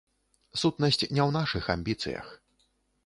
Сутнасць не ў нашых амбіцыях.